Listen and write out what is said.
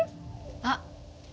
あっ！